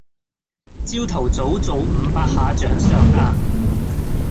朝頭早做五百下掌上壓